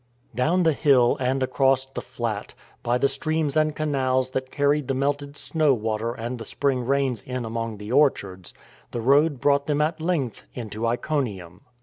Down the hill and across the flat, by the streams and canals that carried the melted snow water and the 142 THE FORWARD TREAD spring rains in among the orchards, the road brought them at length into Iconium.